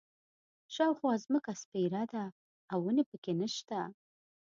شاوخوا ځمکه سپېره ده او ونې په کې نه شته.